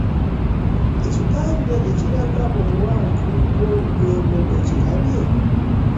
Ekipande ekiraga obuwanvu bw'olugendo okirabye?